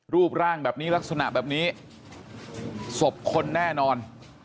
รูปร่างแบบนี้ลักษณะแบบนี้ศพคนแน่นอน